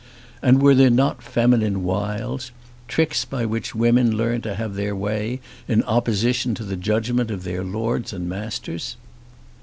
And were there not feminine wiles, tricks by which women learn to have their way in opposition to the judgment of their lords and masters?